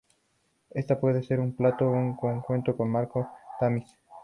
Esta puede ser un plato, un cuenco o un marco de tamiz.